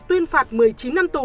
tuyên phạt một mươi chín năm tù